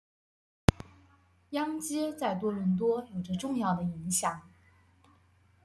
央街在多伦多有着重要的影响。